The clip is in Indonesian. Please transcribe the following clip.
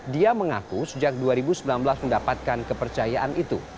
dia mengaku sejak dua ribu sembilan belas mendapatkan kepercayaan itu